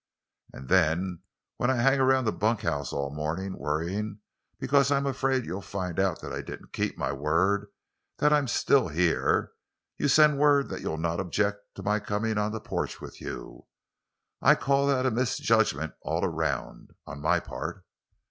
"And then, when I hang around the bunkhouse all morning, worrying because I'm afraid you'll find out that I didn't keep my word, and that I'm still here, you send word that you'll not object to me coming on the porch with you. I'd call that a misjudgment all around—on my part."